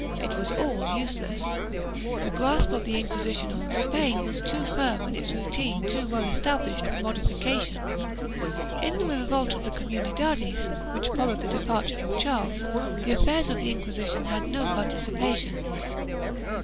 3 It was all useless. The grasp of the Inquisition on Spain was too firm and its routine too well established for modification. In the revolt of the Qomunldades, which followed the departure of Charles, the affairs of the Inquisition had no participation.